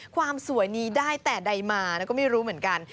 ความสวยนี้ได้แต่ใดมาแล้วก็ไม่รู้เหมือนกัน